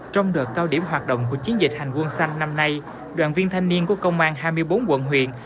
trong đợt cao điểm hoạt động của chiến dịch hành quân xanh năm nay đoàn viên thanh niên của công an hai mươi bốn quận huyện